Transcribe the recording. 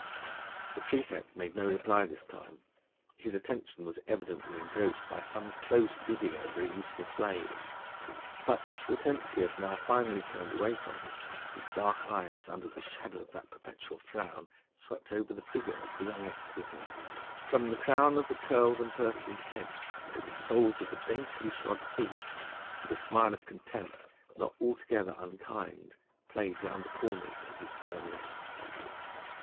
The praefect made no reply this time; his attention was evidently engrossed by some close bidding over a useful slave, but as Hortensius now finally turned away from him, his dark eyes under the shadow of that perpetual frown swept over the figure of the young exquisite, from the crown of the curled and perfumed head to the soles of the daintily shod feet, and a smile of contempt not altogether unkind played round the corners of his firm lips.